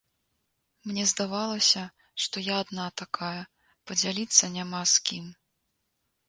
Мне здавалася, што я адна такая, падзяліцца няма з кім.